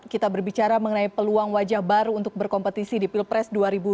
kita berbicara mengenai peluang wajah baru untuk berkompetisi di pilpres dua ribu dua puluh